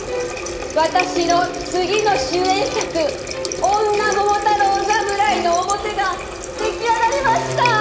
私の次の主演作『女桃太郎侍』の面が出来上がりました！